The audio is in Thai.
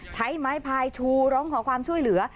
ใช้ไม้พายชูร้องขอความช่วยเหลือ